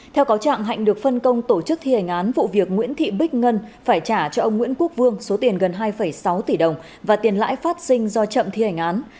theo cáo trạng hạnh được phân công tổ chức thi hành án vụ việc nguyễn thị bích ngân phải trả cho ông nguyễn quốc vương số tiền gần hai sáu tỷ đồng và tiền lãi phát sinh do chậm thi hành án